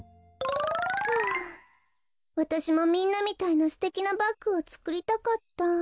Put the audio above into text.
はあわたしもみんなみたいなすてきなバッグをつくりたかった。